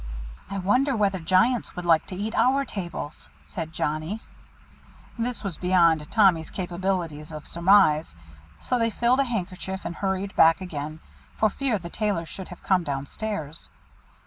"I wonder whether giants would like to eat our tables," said Johnnie. This was beyond Tommy's capabilities of surmise; so they filled a handkerchief, and hurried back again, for fear the Tailor should have come down stairs.